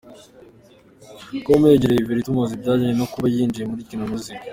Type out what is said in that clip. com yegera Yverry tumubaza ibijyanye no kuba yaba yinjiye muri Kina Music.